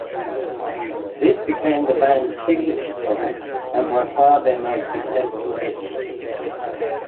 This became the band's signature song and by far their most successful hit.